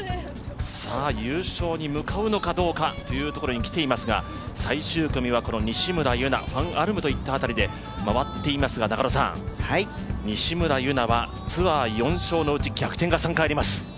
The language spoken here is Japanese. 優勝に向かうのかどうかというところにきていますが最終組は西村優菜、ファン・アルムといった辺りで回っていますが西村優菜はツアー４勝のうち逆転が３回あります。